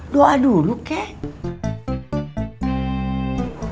doa dulu kek